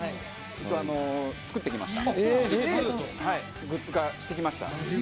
一応、作ってきました。